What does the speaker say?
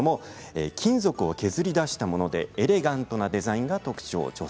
金属を削り出したものでエレガントなデザインが特徴です。